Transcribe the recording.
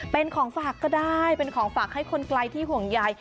เป็นของฝากก็ได้เป็นของฝากให้คนไกลที่ห่วงใย